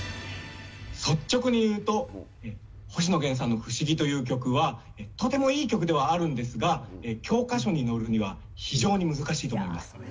率直に言うと、星野源さんの不思議という曲は、とてもいい曲ではあるんですが、教科書に載るには非常に難しいと思います。